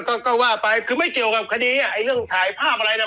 ก็ก็ว่าไปคือไม่เกี่ยวกับคดีอ่ะไอ้เรื่องถ่ายภาพอะไรน่ะ